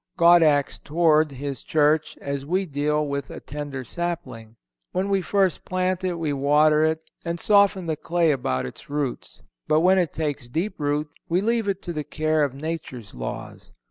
God acts toward His Church as we deal with a tender sapling. When we first plant it we water it and soften the clay about its roots. But when it takes deep root we leave it to the care of Nature's laws.